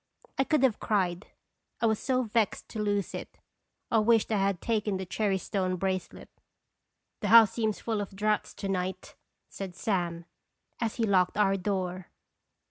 I could have cried, I was so vexed to lose it. I wished I had taken the cherry stone bracelet. " The house seems full of draughts to night," said Sam, as he locked our door.